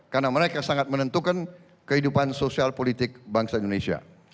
karena mereka sangat menentukan kehidupan sosial politik bangsa indonesia